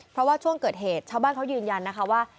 เพราะว่าช่วงเกิดเหตุชาวบ้านเขายืนยันนะคะว่า